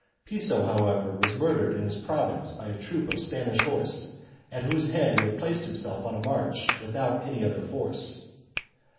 Piso, however, was murdered in his province by a troop of Spanish horse at whose head he had placed himself on a march without any other force.